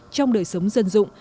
trong đời sống dân dụng